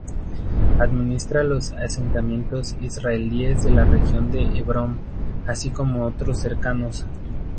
Administra los asentamientos israelíes de la región de Hebrón, así como otros cercanos.